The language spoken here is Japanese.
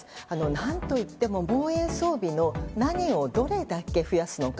何といっても防衛装備の何をどれだけ増やすのか。